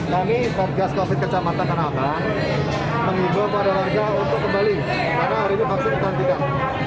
kami pemgas covid kecamatan tanah abang mengibur pada raja untuk kembali karena hari ini vaksin kita tidak